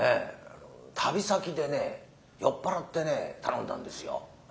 旅先でね酔っ払ってね頼んだんですよ。